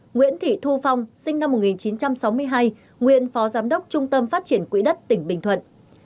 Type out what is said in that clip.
ba nguyễn thị thu phong sinh năm một nghìn chín trăm sáu mươi hai nguyên phó giám đốc trung tâm phát triển quỹ đất tỉnh bình thuận